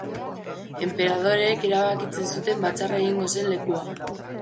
Enperadoreek erabakitzen zuten batzarra egingo zen lekua.